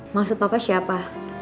maksud papa siapa